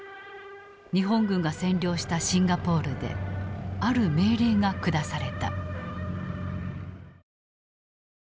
日本軍が占領したシンガポールである命令が下された。